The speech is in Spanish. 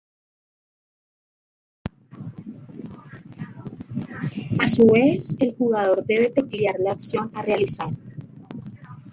A su vez, el jugador debe teclear la acción a realizar.